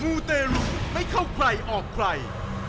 ูเตรุไม่เข้าใครออกใคร